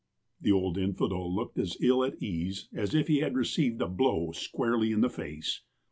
" The old infidel looked as ill at ease as if he had re ceived a blow squarely in the face.